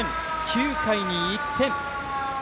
９回に１点。